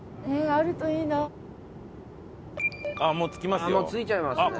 もう着いちゃいますね。